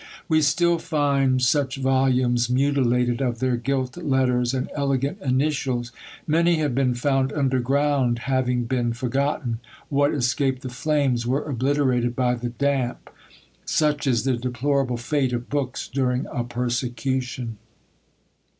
We still find such volumes mutilated of their gilt letters and elegant initials. Many have been found underground, having been forgotten; what escaped the flames were obliterated by the damp: such is the deplorable fate of books during a persecution!